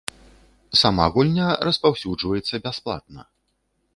Сама гульня распаўсюджваецца бясплатна.